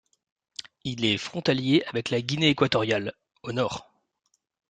Il est frontalier avec la Guinée équatoriale, au nord.